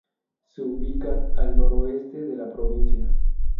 Se ubica al noroeste de la provincia.